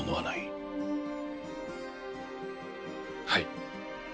はい。